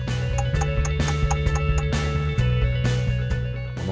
tapi kalau tidak harus memiliki proses yang lebih baik